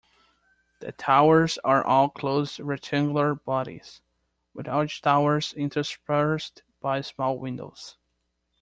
The towers are all closed rectangular bodies, with watchtowers, interspersed by small windows.